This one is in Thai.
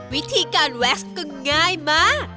วิธีการแว็กซ์ก็ง่ายมาก